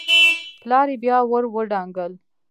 پلار يې بيا ور ودانګل.